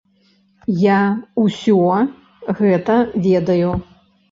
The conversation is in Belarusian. Я ўсё гэта ведаю.